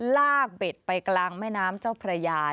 ลากเบ็ดไปกลางแม่น้ำเจ้าพระยา